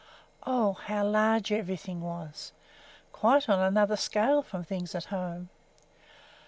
Oh, how large everything was! quite on another scale from things at home.